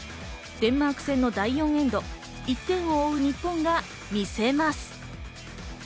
デンマーク戦の第４エンド、１点を追う日本が見せます。